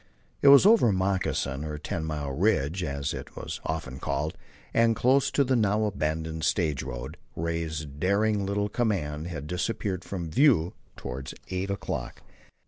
It was over Moccasin, or Ten Mile, Ridge, as it was often called, and close to the now abandoned stage road, Ray's daring little command had disappeared from view toward eight o'clock.